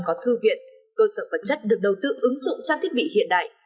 sáu mươi bốn có thư viện cơ sở vật chất được đầu tư ứng dụng trong thiết bị hiện đại